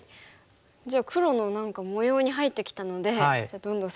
じゃあ黒の模様に入ってきたのでどんどん攻めて。